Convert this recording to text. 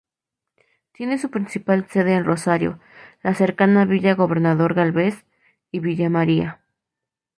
Tiene su principal sede en Rosario, la cercana Villa Gobernador Gálvez y Villa María.